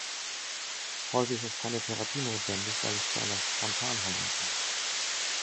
Häufig ist keine Therapie notwendig, weil es zu einer Spontanheilung kommt.